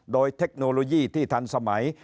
โดยเทคโนโลยีที่ทันสมัย